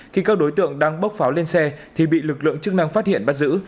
khi các đối tượng đang bốc pháo lên xe thì bị lực lượng chức năng phát hiện bắt giữ